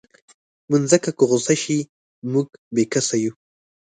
مځکه که غوسه شي، موږ بېکسه یو.